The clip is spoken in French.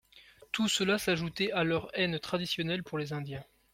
Tout cela s'ajoutait à leur haine traditionnelle pour les Indiens.